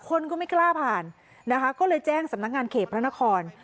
คนก็ไม่กล้าผ่านนะคะก็เลยแจ้งสำนักงานเขตพระนคร